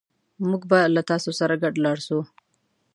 موږ به له تاسو سره ګډ لاړ شو